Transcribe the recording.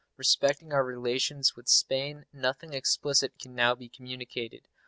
Respecting our relations with Spain nothing explicit can now be communicated.